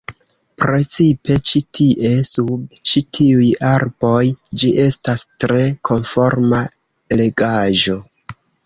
Precipe ĉi tie, sub ĉi tiuj arboj ĝi estas tre konforma legaĵo.